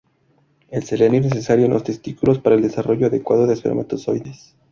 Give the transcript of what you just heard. El selenio es necesario en los testículos para el desarrollo adecuado de espermatozoides.